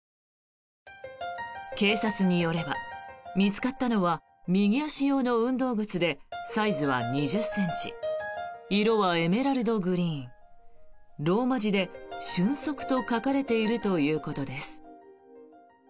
警察によれば見つかったのは右足用の運動靴でサイズは２０ｃｍ色はエメラルドグリーンローマ字で「ＳＹＵＮＳＯＫＵ」と書かれているということです。